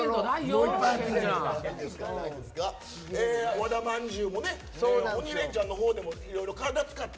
和田まんじゅうも「鬼レンチャン」のほうでもいろいろ体使って。